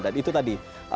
dan itu tadi